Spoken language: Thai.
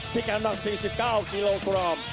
การหนัก๔๙กิโลกรัม